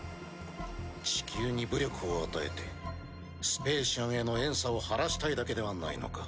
地球に武力を与えてスペーシアンへの怨嗟を晴らしたいだけではないのか？